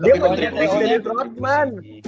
eh dia kontribusi dennis rodman